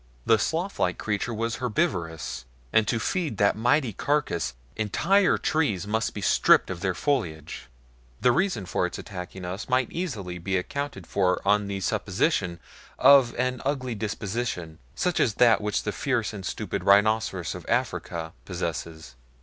The sloth like creature was herbivorous, and to feed that mighty carcass entire trees must be stripped of their foliage. The reason for its attacking us might easily be accounted for on the supposition of an ugly disposition such as that which the fierce and stupid rhinoceros of Africa possesses.